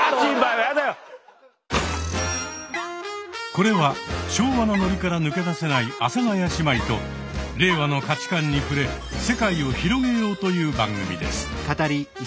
これは昭和なノリから抜け出せない阿佐ヶ谷姉妹と令和の価値観に触れ世界を広げようという番組です。